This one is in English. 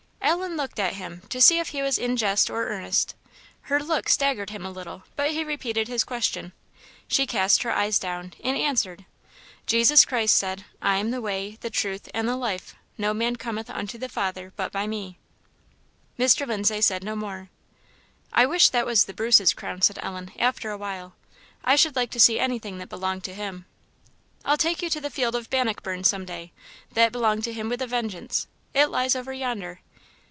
Ellen looked at him, to see if he was in jest or earnest. Her look staggered him a little, but he repeated his question. She cast her eyes down, and answered "Jesus Christ said, 'I am the way, the truth, and the life; no man cometh unto the Father but by me.' " Mr. Lindsay said no more. "I wish that was the Bruce's crown," said Ellen, after a while. "I should like to see anything that belonged to him." "I'll take you to the field of Bannockburn some day; that belonged to him with a vengeance. It lies over yonder."